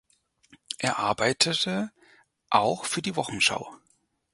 Er arbeitete auch für die Wochenschau.